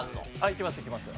行きます行きます。